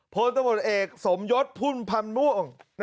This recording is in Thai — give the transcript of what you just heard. โฟลตมนต์เอกสมยศพุนพำนุง